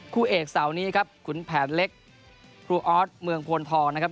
คู่เอกเสาร์นี้ครับขุนแผนเล็กครูออสเมืองโพนทองนะครับ